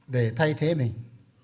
để thay thế mình